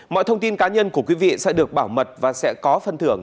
mọi thông tin cá nhân của quý vị sẽ được bảo mật và sẽ có phân thưởng